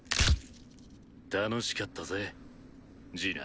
楽しかったぜジーナ。